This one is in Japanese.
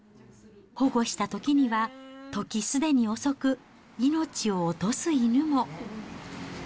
保護したときには時すでに遅く、命を落とす犬も。